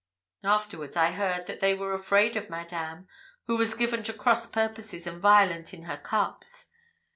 Afterwards I heard that they were afraid of Madame, who was given to cross purposes, and violent in her cups.